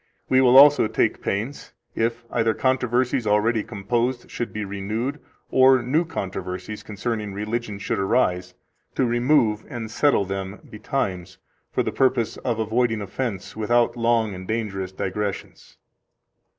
We will also take pains, if either controversies already composed should be renewed, or new controversies concerning religion should arise, to remove and settle them betimes, for the purpose of avoiding offense, without long and dangerous digressions.